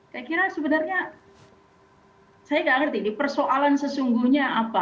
saya kira sebenarnya saya tidak mengerti persoalan sesungguhnya apa